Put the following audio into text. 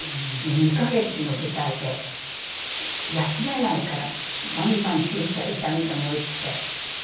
２カ月の舞台で休めないからバンバン注射痛み止めを打ってやってて。